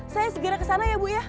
saya segera ke sana ya bu